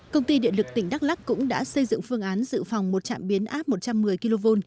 công ty điện lực tỉnh đắk lắc cũng đã xây dựng phương án dự phòng một trạm biến áp một trăm một mươi kv